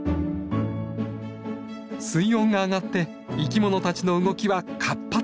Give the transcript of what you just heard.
水温が上がって生きものたちの動きは活発！